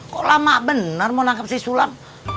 kok lama bener mau nangkep si sulam